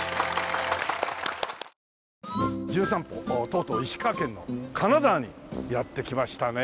『じゅん散歩』とうとう石川県の金沢にやって来ましたね。